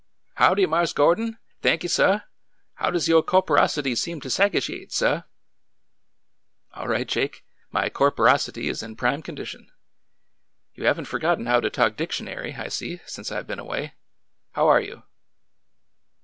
Howdy, Marse Gordon ! Thanky, suh ! How does yo^ copporosity seem to sagashiate, suh ? All right, Jake. My corporosity is in prime condition. You have n't forgotten how to talk dictionary, I see, since I Ve been away. How are you